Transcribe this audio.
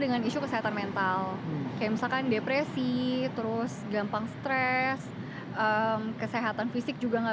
dengan isu kesehatan mental kayak misalkan depresi terus gampang stres kesehatan fisik juga nggak